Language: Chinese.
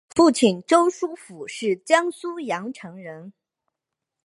父亲周书府是江苏盐城人。